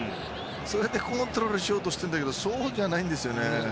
それでコントロールをしようとしてるけどそうじゃないですよね。